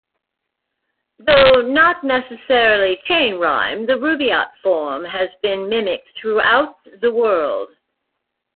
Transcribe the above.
Though not necessarily chain rhyme, the Rubiyat form has been mimicked throughout the world.